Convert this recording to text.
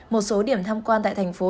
một số điểm thăm quan tại thành phố